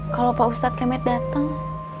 kalau pak ustadz kemet dateng